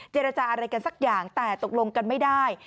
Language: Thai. เจรจาอะไรกันสักอย่างแต่ตกลงกันไม่ได้